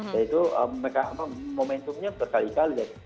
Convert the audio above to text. yaitu momentumnya berkali kali